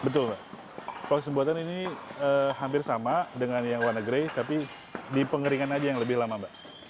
betul mbak proses pembuatan ini hampir sama dengan yang warna grey tapi dipengeringan aja yang lebih lama mbak